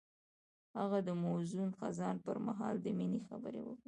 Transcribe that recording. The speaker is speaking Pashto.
هغه د موزون خزان پر مهال د مینې خبرې وکړې.